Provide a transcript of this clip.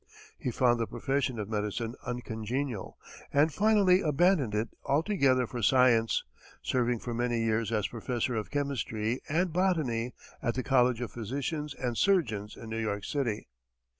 He found the profession of medicine uncongenial, and finally abandoned it altogether for science, serving for many years as professor of chemistry and botany at the College of Physicians and Surgeons in New York City.